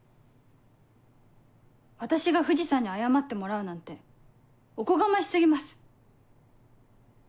私が藤さんに謝ってもらうなんておこがまし過ぎます。